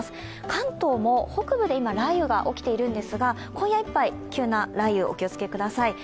関東も北部で今、雷雨が起きているんですが今夜いっぱい、急な雷雨、お気をつけください。